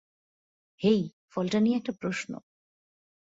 হেই, ফলটা নিয়ে একটা প্রশ্ন।